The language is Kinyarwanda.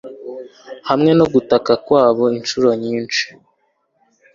Hamwe no gutaka kwabo inshuro nyinshi